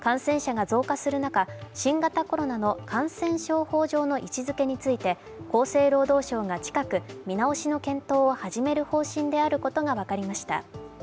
感染者が増加する中、新型コロナの感染症法上の位置づけについて厚生労働省が近く見直しの検討を始める方針であることが分かりました。